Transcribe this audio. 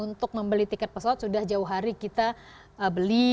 untuk membeli tiket pesawat sudah jauh hari kita beli